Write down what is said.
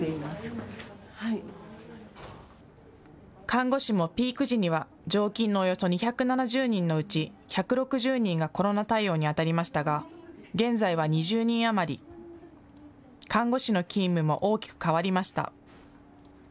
看護師もピーク時には常勤のおよそ２７０人のうち１６０人がコロナ対応にあたりましたが現在は２０人余り、看護師の勤務も大きく変わりました。